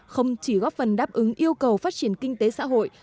không chỉ góp phần đáp ứng yêu cầu phát triển kinh tế xã hội